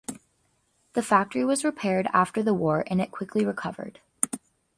The factory was repaired after the war and it quickly recovered.